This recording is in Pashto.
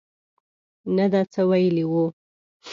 نه ده څه ویلي وو.